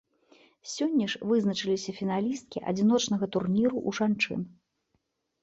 Сёння ж вызначыліся фіналісткі адзіночнага турніру ў жанчын.